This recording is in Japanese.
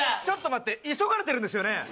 ちょっと待って急がれてるんですよね？